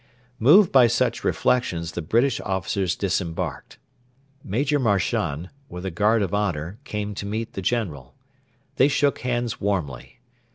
Moved by such reflections the British officers disembarked. Major Marchand, with a guard of honour, came to meet the General. They shook hands warmly.